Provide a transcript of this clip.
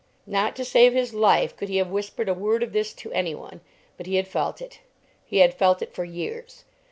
Not to save his life could he have whispered a word of this to any one, but he had felt it. He had felt it for years.